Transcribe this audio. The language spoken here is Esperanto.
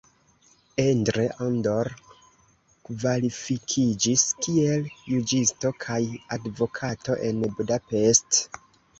Endre Andor kvalifikiĝis kiel juĝisto kaj advokato en Budapest.